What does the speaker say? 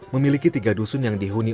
memiliki tiga dusun yang dihuni